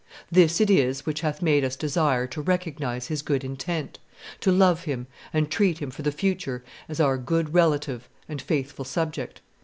This it is which hath made us desire to recognize his good intent, to love him and treat him for the future as our good relative and faithful subject."